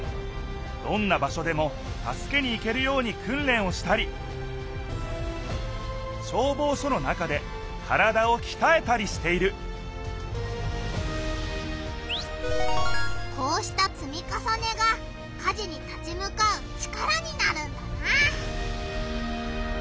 どんな場しょでも助けに行けるように訓練をしたり消防署の中で体をきたえたりしているこうしたつみかさねが火事に立ち向かう力になるんだな！